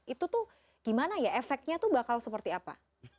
itu tuh gimana ya efeknya tuh bakal seperti apa